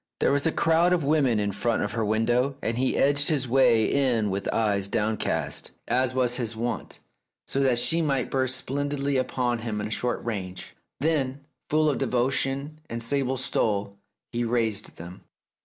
There was a crowd of women in front of her window, and he edged his way in with eyes downcast, as was his wont, so that she might burst splendidly upon him at short range. Then, full of devotion and sable stole, he raised them.